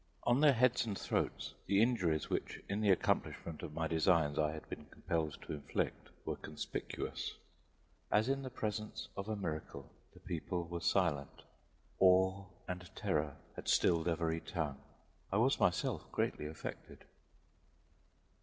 On their heads and throats the injuries which in the accomplishment of my designs I had been compelled to inflict were conspicuous. As in the presence of a miracle, the people were silent; awe and terror had stilled every tongue. I was myself greatly affected.